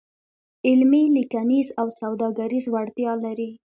علمي، لیکنیز او سوداګریز وړتیا لري.